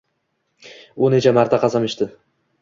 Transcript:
U necha marta qasam ichdi